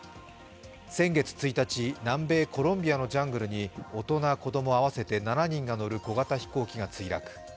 先月１日、南米コロンビアのジャングルに大人子供合わせて７人が乗る小型飛行機が墜落。